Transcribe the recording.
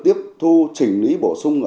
tiếp thu trình lý bổ sung